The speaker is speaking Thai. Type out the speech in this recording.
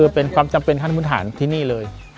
เป็นความจำเป็นขั้นพื้นฐานที่นี่เลย